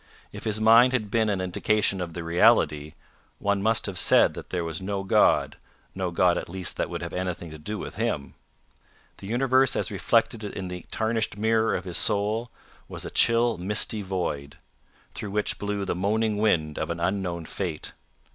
If his mind had been an indication of the reality, one must have said that there was no God no God at least that would have anything to do with him. The universe as reflected in the tarnished mirror of his soul, was a chill misty void, through which blew the moaning wind of an unknown fate.